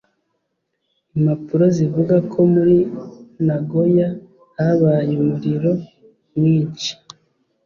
Impapuro zivuga ko muri Nagoya habaye umuriro mwinshi